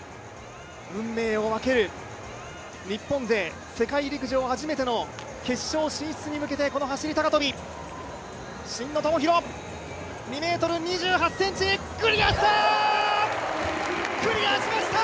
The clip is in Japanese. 運命を分ける日本勢、世界陸上初めての決勝進出に向けてこの走高跳、真野友博、２、２８ｃｍクリアした！